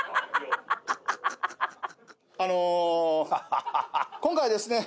あの今回ですね